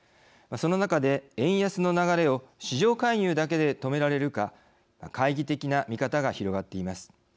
その中で円安の流れを市場介入だけで止められるか懐疑的な見方が広がっています。